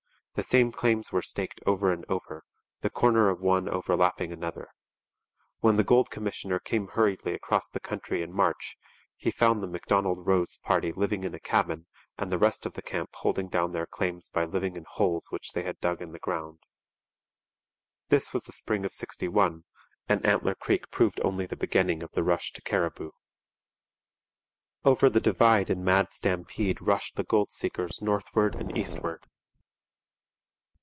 The same claims were staked over and over, the corner of one overlapping another. When the gold commissioner came hurriedly across the country in March, he found the MacDonald Rose party living in a cabin and the rest of the camp holding down their claims by living in holes which they had dug in the ground. This was the spring of '61; and Antler Creek proved only the beginning of the rush to Cariboo. Over the divide in mad stampede rushed the gold seekers northward and eastward.